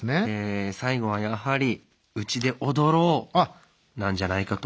最後はやはり「うちで踊ろう」なんじゃないかと。